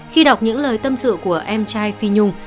khi đọc những lời tâm sự của em trai phi nhung